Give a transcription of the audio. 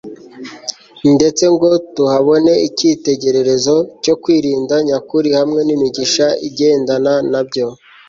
ndetse ngo tuhabone icyitegererezo cyo kwirinda nyakuri hamwe n'imigisha igendana na byo